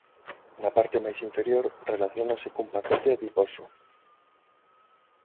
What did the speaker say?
Na parte máis inferior relaciónase cun paquete adiposo.